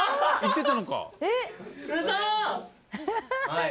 はい。